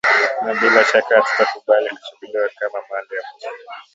na bila shaka hatutakubali kuchukuliwa kama mali ya mtu